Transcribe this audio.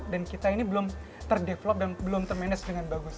dan kita ini belum ter developed dan belum ter manage dengan bagus